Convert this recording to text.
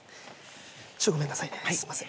ちょっとごめんなさいねすいません。